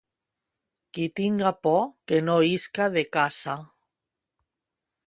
Qui tinga por que no isca de casa.